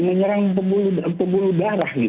menyerang pembuluh darah